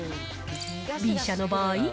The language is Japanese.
Ｂ社の場合。